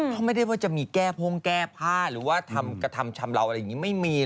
เขาไม่ได้ว่าจะมีแก้พ่งแก้ผ้าหรือว่าทำกระทำชำเลาอะไรอย่างนี้ไม่มี